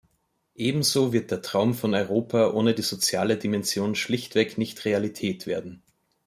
Ebenso wird der Traum von Europa ohne die soziale Dimension schlichtweg nicht Realität werden.